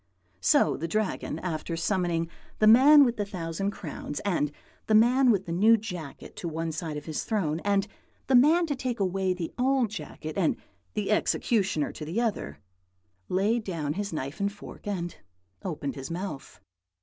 "So the Dragon, after summoning the man with the thousand crowns and the man with the new jacket to one side of his throne, and the man to take away the old jacket and the executioner to the other, laid down his knife and fork and opened his mouth.